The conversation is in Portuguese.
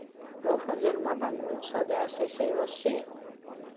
Vou fazer uma bagunça dessas sem você.